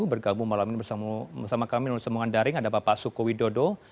bergabung malam ini bersama kami di lulus sembungan daring ada bapak sukowidodo